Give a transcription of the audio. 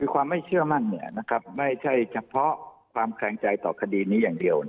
ความไม่เชื่อมั่นไม่ใช่เฉพาะความแคลงใจต่อคดีนี้อย่างเดียว